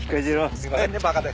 すいませんね馬鹿で。